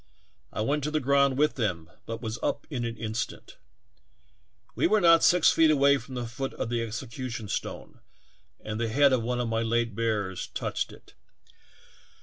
I went to the ground with them, but was up in an instant. We were not six feet away from the foot of the execution stone, and the head of one of my late bearers touched it.